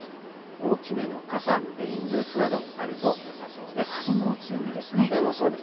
大きめの傘、レインブーツなどあるとよさそうです。